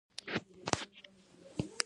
کوچیان د افغانستان یو ډول طبعي ثروت دی.